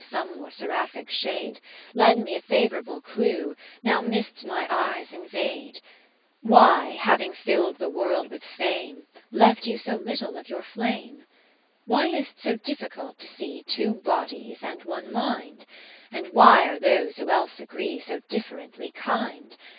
Some more seraphic shade 20 Lend me a favourable clew Now mists my eyes invade. Kath ertiie Philips Why, having fill'd the World with fame, Left you so little of your flame ? V Why is 't so difficult to see I'wo bodies and one mind ? And why are those w^ho else agree So differently kind